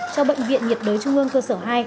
cho bệnh viện nhiệt đới trung ương cơ sở hai